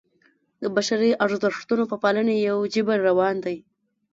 د بشري ارزښتونو په پالنې یو جبر روان دی.